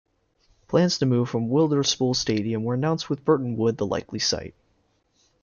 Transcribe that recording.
Plans to move from Wilderspool Stadium were announced with Burtonwood the likely site.